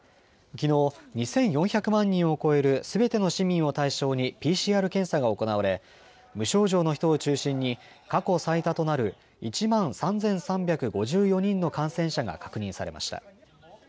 きのう２４００万人を超えるすべての市民を対象にＰＣＲ検査が行われ無症状の人を中心に過去最多となる１万３３５４人の感染者が確認されました。